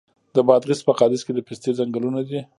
د بادغیس په قادس کې د پستې ځنګلونه دي.